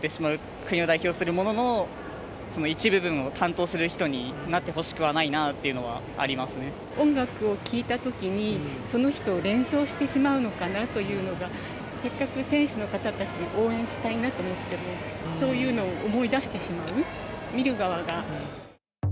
国を代表するものの一部分を担当する人になってほしくはないなと音楽を聴いたときに、その人を連想してしまうのかなというのが、せっかく選手の方たち応援したいなと思っても、そういうのを思い出してしまう、見る側が。